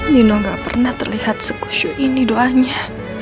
nino gak pernah terlihat sekusyuk ini doanya